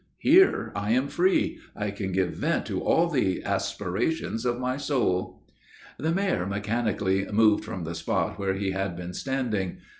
Here I am free. I can give vent to all the aspirations of my soul!" The Mayor mechanically moved from the spot where they had been standing.